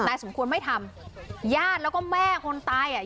สมควรไม่ทำญาติแล้วก็แม่คนตายอ่ะ